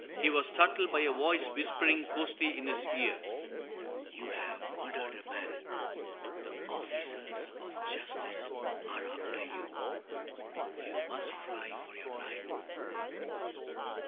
He was startled by a voice whispering hoarsely in his ear, _"You have murdered a man; the officers of justice are after you; you must fly for your life!"